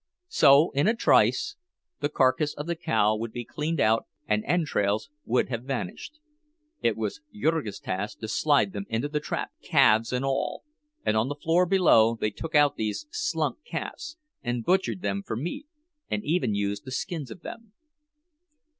So in a trice the carcass of the cow would be cleaned out, and entrails would have vanished; it was Jurgis' task to slide them into the trap, calves and all, and on the floor below they took out these "slunk" calves, and butchered them for meat, and used even the skins of them.